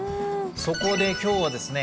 そこで今日はですね